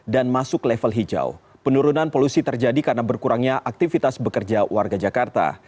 dan masuk level hijau penurunan polusi terjadi karena berkurangnya aktivitas bekerja warga jakarta